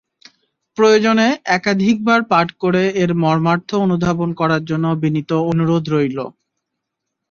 প্রয়োজনে একাধিকবার পাঠ করে এর মর্মার্থ অনুধাবন করার জন্যে বিনীত অনুরোধ রইল।